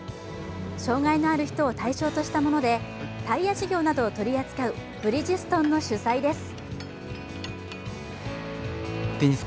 障がいのある人を対象としたものでタイヤ事業などを取り扱うブリヂストンの主催です。